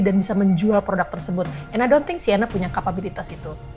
dan bisa menjual produk tersebut yang namun xxs pernah punya kapabilitas itu